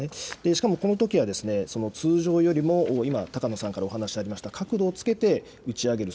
しかもこのときは通常よりも今、高野さんからお話がありました角度をつけて打ち上げる